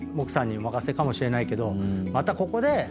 奥さんにお任せかもしれないけどまたここで。